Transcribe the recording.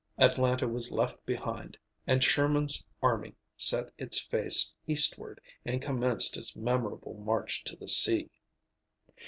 Atlanta was left behind, and "Sherman's army" set its face eastward and commenced its memorable march to the sea.